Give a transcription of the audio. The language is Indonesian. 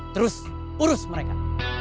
terus urus mereka